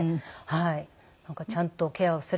はい。